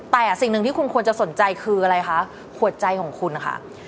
แต่สิ่งหนึ่งที่คุณควรจะสนใจคืออะไรคะหัวใจของคุณค่ะ